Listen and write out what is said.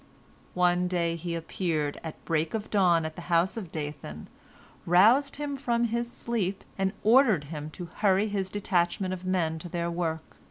One day he appeared at break of dawn at the house of Dathan, roused him from his sleep, and ordered him to hurry his detachment of men to their work.